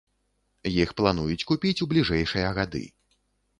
Іх плануюць купіць у бліжэйшыя гады.